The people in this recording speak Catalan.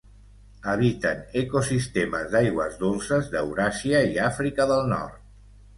Habiten ecosistemes d'aigües dolces d'Euràsia i Àfrica del Nord.